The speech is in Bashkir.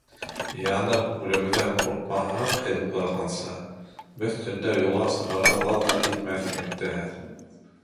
— Янып үлеүҙән ҡурҡмаһаҡ, һеҙ уйлағанса, беҙ төндә юлға сығырға баҙнат итмәҫ инек тәһә.